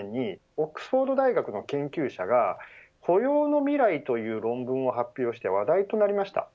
２０１３年にオックスフォード大学の研究者が雇用の未来という論文を発表して話題となりました。